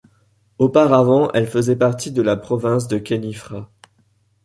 Auparavant, elle faisait partie de la province de Khénifra.